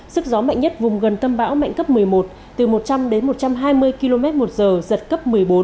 sức gió mạnh nhất vùng gần tâm bão mạnh cấp một mươi một từ một trăm linh đến một trăm hai mươi km một giờ giật cấp một mươi bốn